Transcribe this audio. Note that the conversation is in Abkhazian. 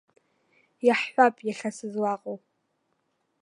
Иаҳҳәап, иахьа сызлаҟоу.